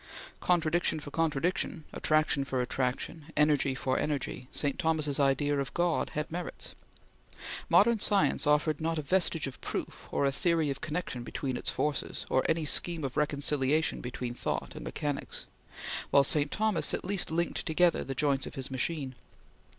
Contradiction for contradiction, Attraction for attraction, Energy for energy, St. Thomas's idea of God had merits. Modern science offered not a vestige of proof, or a theory of connection between its forces, or any scheme of reconciliation between thought and mechanics; while St. Thomas at least linked together the joints of his machine.